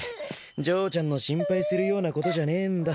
嬢ちゃんの心配するようなことじゃねえんだ。